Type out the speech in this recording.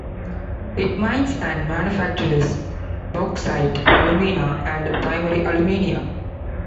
It mines and manufactures bauxite, alumina and primary aluminium.